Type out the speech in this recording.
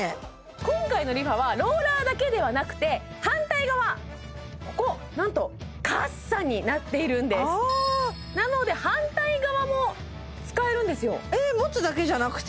今回のＲｅＦａはローラーだけではなくて反対側ここなんとカッサになっているんですあなので反対側も使えるんですよえっ持つだけじゃなくて？